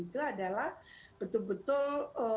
itu adalah betul betul